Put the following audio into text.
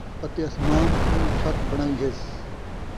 اَتے اسمان کوں چَھت بݨائی ہِس۔